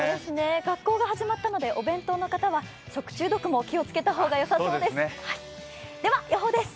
学校が始まったのでお弁当の方は食中毒も気をつけた方がよさそうです。